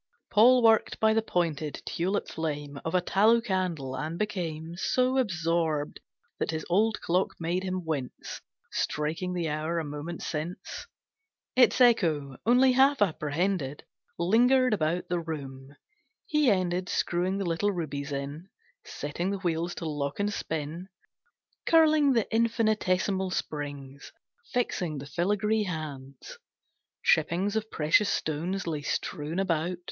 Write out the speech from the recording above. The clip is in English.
Paul worked by the pointed, tulip flame Of a tallow candle, and became So absorbed, that his old clock made him wince Striking the hour a moment since. Its echo, only half apprehended, Lingered about the room. He ended Screwing the little rubies in, Setting the wheels to lock and spin, Curling the infinitesimal springs, Fixing the filigree hands. Chippings Of precious stones lay strewn about.